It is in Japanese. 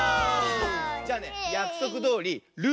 じゃあねやくそくどおり「る」